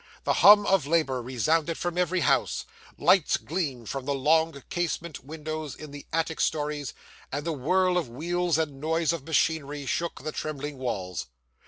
The hum of labour resounded from every house; lights gleamed from the long casement windows in the attic storeys, and the whirl of wheels and noise of machinery shook the trembling walls.